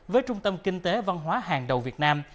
với trung tâm kinh tế văn hóa hàng đầu việt nam